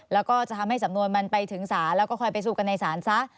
แล้วก็จะทำให้สำนวนมันไปถึงศาลแล้วก็คอยไปสู้กันในศาลซะ